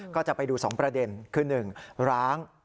ก็จะไปดูสองประเด็นคือหนึ่งร้าง